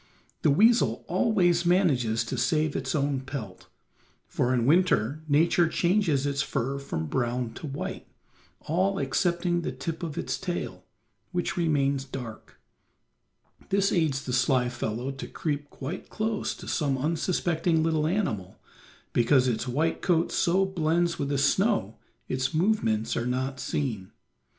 The weasel always manages to save its own pelt, for in winter Nature changes its fur from brown to white, all excepting the tip of its tail, which remains dark. This aids the sly fellow to creep quite close to some unsuspecting little animal, because its white coat so blends with the snow its movements are not seen.